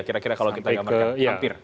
kira kira kalau kita gambarkan hampir